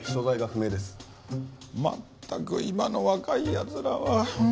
まったく今の若いやつらは。